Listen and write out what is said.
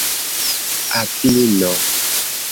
avino